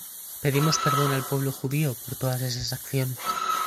Pedimos perdón al pueblo judío por todas esas acciones.